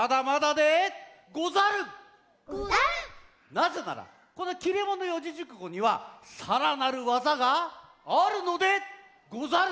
なぜならこの「切れ者四字熟語」にはさらなるわざがあるのでござる！